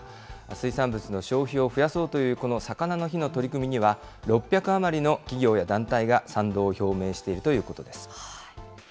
水産物の消費を増やそうというこのさかなの日の取り組みには、６００余りの企業や団体が賛同を表明しているということです。